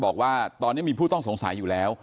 บอกว่าตอนนี้มีผู้ต้องสงสัยอยู่แล้ว